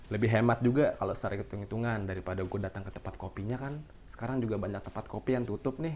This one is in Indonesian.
lebih hemat juga kalau dari segi fitur hitungan daripada kalau aku datang ke tempat kopinya sekarang juga banyak tempat kopi yang tertutup